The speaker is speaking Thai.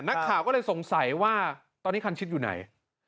นักข่าวก็เลยสงสัยว่าตอนนี้คันชิดอยู่ไหน